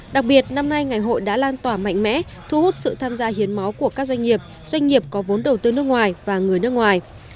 đặc biệt năm nay ngày hội đã lan tỏa mạnh mẽ thu hút sự tham gia hiến máu của các doanh nghiệp doanh nghiệp có vốn đầu tư nước ngoài và người nước ngoài